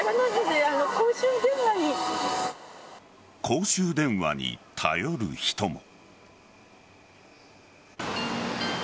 公衆電話に頼る人も。